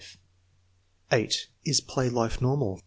8. Is play life normal?